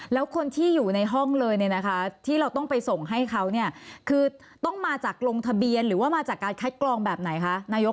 แล้วคนที่อยู่ในห้องเลยเนี่ยนะคะที่เราต้องไปส่งให้เขาเนี่ยคือต้องมาจากลงทะเบียนหรือว่ามาจากการคัดกรองแบบไหนคะนายก